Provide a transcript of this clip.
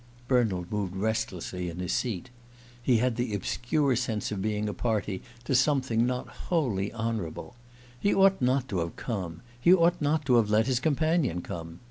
Bernald moved restlessly in his seat. He had the obscure sense of being a party to something not wholly honourable. He ought not to have come; he ought not to have let his companion come.